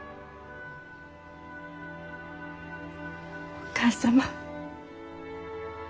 お義母様。